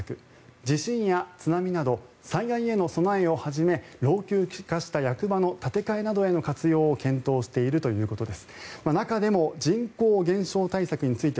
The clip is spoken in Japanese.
地震や津波など災害への備えをはじめ老朽化した役場の建て替えなどへの活用を検討しているということです。